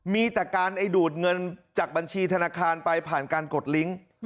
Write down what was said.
มีแต่การดูดเงินจากบัญชีธนาคารไปผ่านการกดลิงค์